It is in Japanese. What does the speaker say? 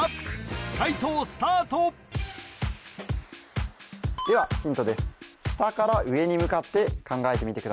解答スタートではヒントです